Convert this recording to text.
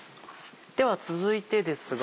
では続いてですが。